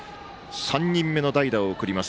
３人目の代打を送ります。